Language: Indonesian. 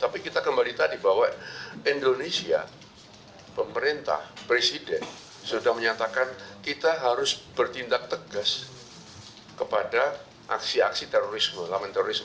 tapi kita kembali tadi bahwa indonesia pemerintah presiden sudah menyatakan kita harus bertindak tegas kepada aksi aksi terorisme laman terorisme